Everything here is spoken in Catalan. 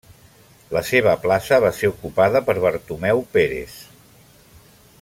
La seva plaça va ser ocupada per Bartomeu Pérez.